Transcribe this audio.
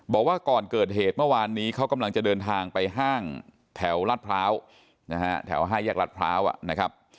บอกว่าก่อนเกิดเหตุเมื่อวานนี้เขากำลังจะเดินทางไปห้างแถวลาดพร้าวนะฮะแถว๕แยกรัฐพร้าวนะครับ